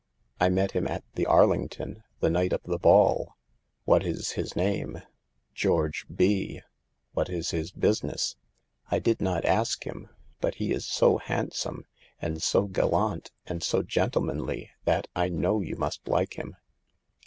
I met him at the Ar lington, the night of the ball." " What is his name ?"" George B —" What is his business ?"" I did not ask him. But he is so hand some, and so gallant, and so gentlemanly, that I know you must like him."